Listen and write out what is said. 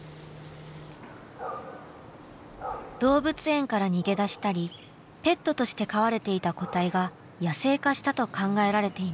動物園から逃げ出したりペットとして飼われていた個体が野生化したと考えられています。